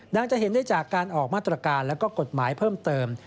จะเห็นได้จากการออกมาตรการและกฎหมายเพิ่มเติม